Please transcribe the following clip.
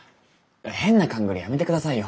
変な勘ぐりやめて下さいよ。